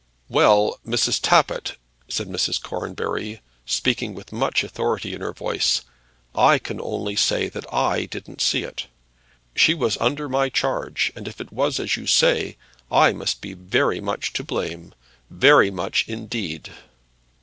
"Well, Mrs. Tappitt," said Mrs. Cornbury, speaking with much authority in her voice, "I can only say that I didn't see it. She was under my charge, and if it was as you say I must be very much to blame, very much indeed."